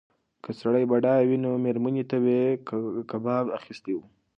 که سړی بډایه وای نو مېرمنې ته به یې کباب اخیستی و.